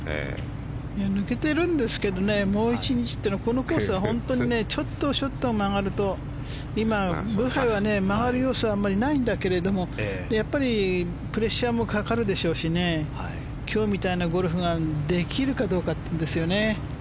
抜けてるんですけどもう１日というのはこのコースは本当にちょっとショットが曲がると今ブハイは曲がる要素はあまりないんだけれどやっぱりプレッシャーもかかるでしょうし今日みたいなゴルフができるかどうかというんですよね。